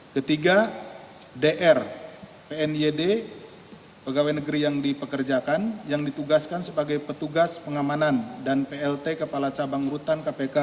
ketiga dr pnyd pegawai negeri yang dipekerjakan yang ditugaskan sebagai petugas pengamanan dan plt kepala cabang rutan kpk